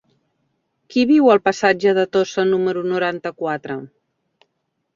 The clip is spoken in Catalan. Qui viu al passatge de Tossa número noranta-quatre?